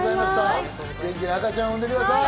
元気な赤ちゃんを産んでください！